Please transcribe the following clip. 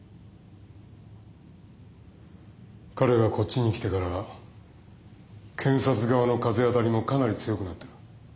彼がこっちに来てから検察側の風当たりもかなり強くなってる。